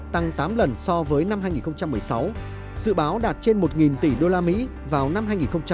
tăng tám lần so với năm hai nghìn một mươi sáu dự báo đạt trên một tỷ usd vào năm hai nghìn hai mươi